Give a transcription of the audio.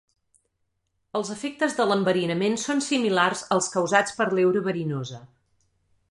Els efectes de l'enverinament són similars als causats per l'heura verinosa.